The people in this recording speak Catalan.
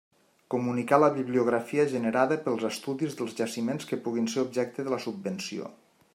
Comunicar la bibliografia generada pels estudis dels jaciments que puguin ser objecte de la subvenció.